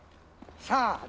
さあ。